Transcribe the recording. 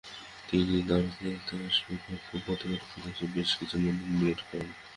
তিনি দ্বাগ্স-ল্হা-স্গাম-পো বৌদ্ধবিহার ফিরে এসে বেশ কিছু মন্দির নির্মাণ করেন।